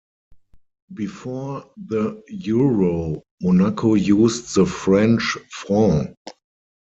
Before the euro, Monaco used the French franc.